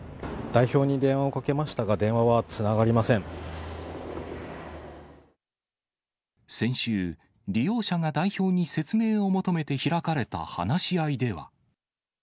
代表に電話をかけましたが、先週、利用者が代表に説明を求めて開かれた話し合いでは。